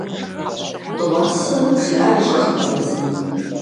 Дыгъуасэ жиӀар ищӀэжу пӀэрэ езым?